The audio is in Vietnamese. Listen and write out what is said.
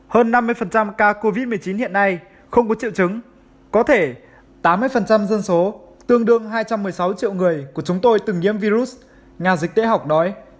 hơn năm mươi ca covid một mươi chín hiện nay không có triệu chứng có thể tám mươi dân số tương đương hai trăm một mươi sáu triệu người của chúng tôi từng nhiễm virus nhà dịch tễ học đói